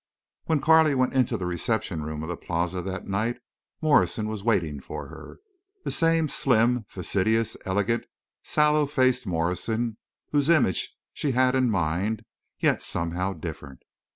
When Carley went into the reception room of the Plaza that night Morrison was waiting for her—the same slim, fastidious, elegant, sallow faced Morrison whose image she had in mind, yet somehow different.